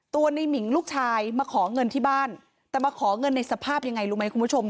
ในหมิงลูกชายมาขอเงินที่บ้านแต่มาขอเงินในสภาพยังไงรู้ไหมคุณผู้ชม